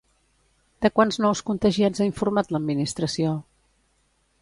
De quants nous contagiats ha informat l'administració?